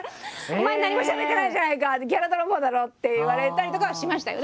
「お前何もしゃべってないじゃないかギャラ泥棒だろ！」って言われたりとかはしましたよ。